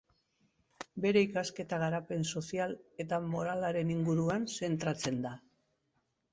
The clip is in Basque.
Bere ikasketa garapen sozial eta moralaren inguruan zentratzen da.